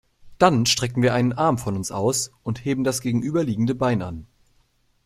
Dann strecken wir einen Arm von uns und heben das gegenüberliegende Bein an.